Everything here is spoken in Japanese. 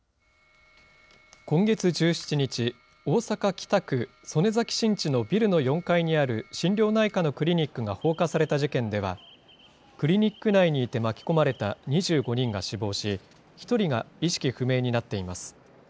今月１７日、大阪・北区曽根崎新地のビルの４階にある心療内科のクリニックが放火された事件では、クリニック内にいて巻き込まれた２５人が死亡し、１人が意識不明になっています。